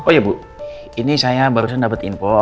oh iya bu ini saya baru saja dapet info